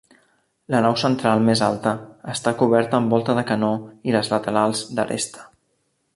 La nau central, més alta, està coberta amb volta de canó i les laterals, d'aresta.